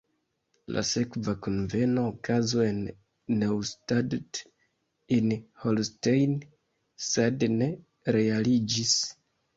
La sekva kunveno okazu en Neustadt in Holstein, sed ne realiĝis.